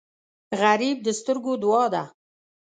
غریب د سترګو دعا ده